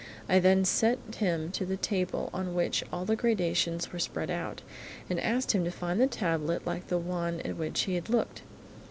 I then sent him to the table on which all the gradations were spread out, and asked him to find the tablet like the one at which he had looked.